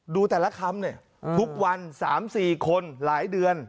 ดูแต่ละคำเนี่ยทุกวัน๓๔คนหลายเดือน